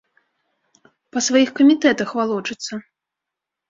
Па сваіх камітэтах валочыцца.